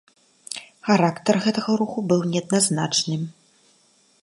Характар гэтага руху быў неадназначным.